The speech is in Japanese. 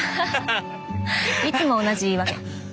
いつも同じ言い訳。